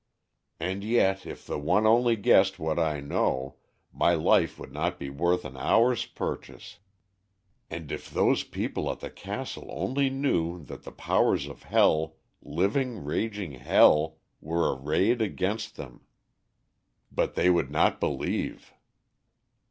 And yet if the one only guessed what I know, my life would not be worth an hour's purchase! And if those people at the castle only knew that the powers of hell living, raging hell were arrayed against them! But they would not believe."